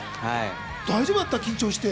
大丈夫だった？